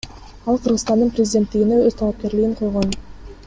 Ал Кыргызстандын президенттигине өз талапкерлигин койгон.